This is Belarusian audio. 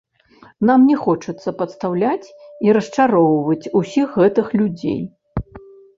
Нам не хочацца падстаўляць і расчароўваць ўсіх гэтых людзей.